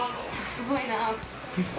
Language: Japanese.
すごいなぁ。